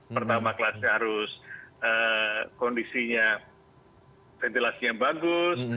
pertama kelasnya harus kondisinya ventilasinya bagus